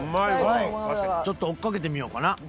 ちょっと追っかけてみようかな。